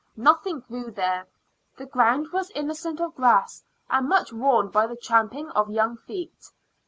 Nothing grew there; the ground was innocent of grass, and much worn by the tramping of young feet.